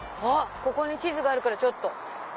ここに地図があるからちょっと。